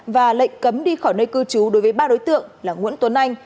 và lệnh cấm đi khỏi nơi cư trú đối với ba đối tượng là nguyễn tuấn anh